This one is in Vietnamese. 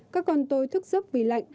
các con tôi thức giấc vì lạnh